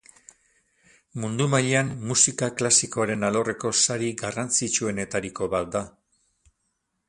Mundu mailan musika Klasikoaren alorreko sari garrantzitsuenetariko bat da.